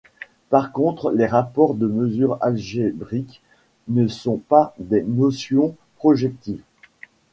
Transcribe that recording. Par contre les rapports de mesures algébriques ne sont pas des notions projectives.